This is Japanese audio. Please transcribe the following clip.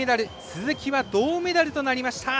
鈴木は銅メダルとなりました。